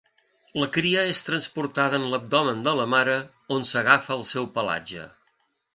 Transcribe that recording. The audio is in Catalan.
La cria és transportada en l'abdomen de la mare, on s'agafa al seu pelatge.